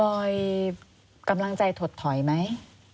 อยกำลังใจถดถอยไหม